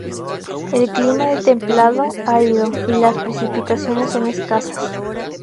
El clima es templado-árido y las precipitaciones son escasas.